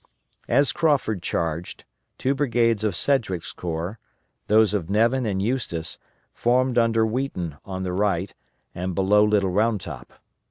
As Crawford charged, two brigades of Sedgwick's corps, those of Nevin and Eustis, formed under Wheaton on the right and below Little Round Top.